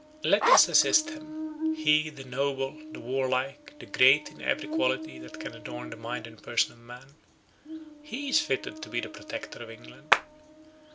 "Let us assist him. He, the noble, the warlike, the great in every quality that can adorn the mind and person of man; he is fitted to be the Protector of England.